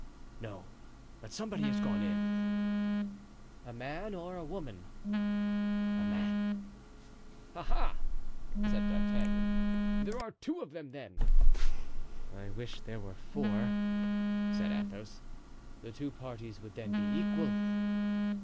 "No, but somebody has gone in." "A man or a woman?" "A man." "Ah! ah!" said D'Artagnan, "there are two of them, then!" "I wish there were four," said Athos; "the two parties would then be equal."